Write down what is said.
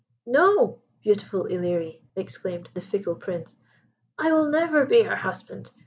"No, beautiful Ilerie!" exclaimed the fickle Prince, "I will never be her husband.